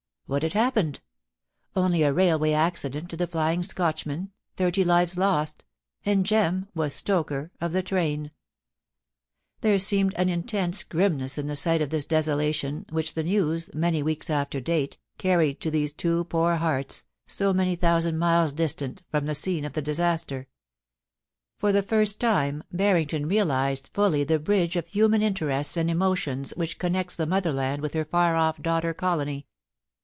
What had happened ? Only a railway accident to the * Flying Scotchman,* thirty lives lost — ^and Jem was stoker of the traia There seemed an intense grimness in the sight of this desolation, which the news, many weeks after date, carried to these two poor hearts, so many thousand miles distant from the scene of the disaster. For the first time Barrington reajised fully the bridge of human interests and emotions which connects the mother land with her far off daughter colony.